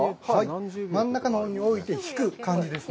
真ん中のほうに置いて、引く感じですね。